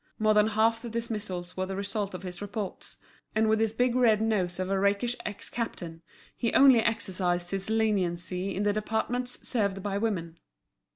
More than half the dismissals were the result of his reports; and with his big red nose of a rakish ex captain, he only exercised his leniency in the departments served by women.